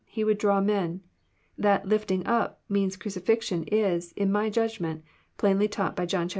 He would draw men. That lifting up " means cru cifixion is, in my Judgment, plainly taught by John iii.